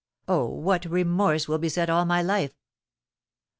Oh, what remorse will beset all my life!"